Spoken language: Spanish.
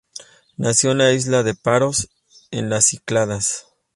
Nació en la isla de Paros, en las Cícladas.